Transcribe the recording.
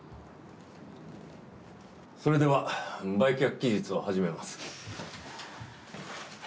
それでは売却期日を始めます。